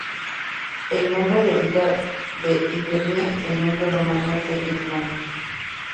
El nombre deriva de Hibernia, el nombre romano de Irlanda.